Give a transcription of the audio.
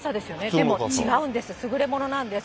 でも違うんです、優れものなんです。